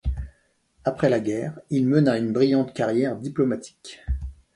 Après la guerre, il mena une brillante carrière diplomatique.